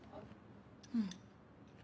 うん。